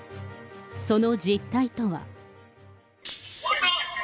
その実態とは。